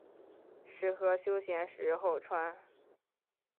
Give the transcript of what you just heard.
适合休闲时候穿。